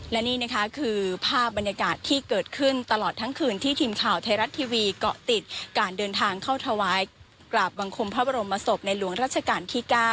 และนี่นะคะคือภาพบรรยากาศที่เกิดขึ้นตลอดทั้งคืนที่ทีมข่าวไทยรัฐทีวีเกาะติดการเดินทางเข้าถวายกราบบังคมพระบรมศพในหลวงราชการที่๙